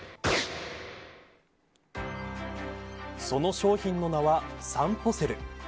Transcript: その商品の名は、さんぽセル。